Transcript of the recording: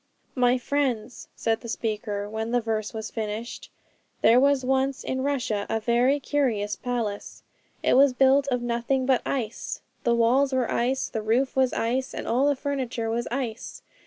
My friends,' said the speaker, when the verse was finished, 'there was once in Russia a very curious palace. It was built of nothing but ice. The walls were ice, and the roof was ice, and all the furniture was ice.